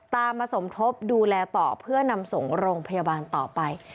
มาสมทบดูแลต่อเพื่อนำส่งโรงพยาบาลต่อไป